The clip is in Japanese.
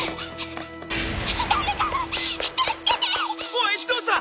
おいどうした！？